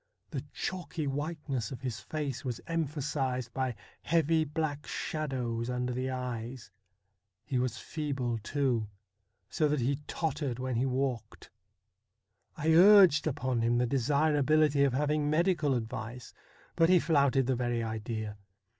The chalky whiteness of his face was emphasised by heavy black shadows under the eyes. He was feeble, too, so that he tottered when he walked. I urged upon him the desirability of having medical advice, but he flouted the very idea.